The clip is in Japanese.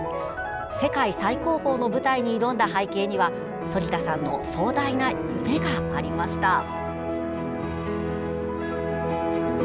世界最高峰の舞台に挑んだ背景には反田さんの壮大な夢がありました。